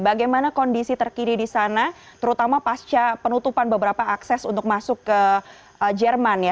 bagaimana kondisi terkini di sana terutama pasca penutupan beberapa akses untuk masuk ke jerman ya